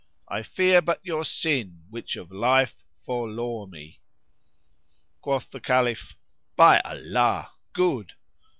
* I fear but your sin which of life forlore me!" Quoth the Caliph, "By Allah, good!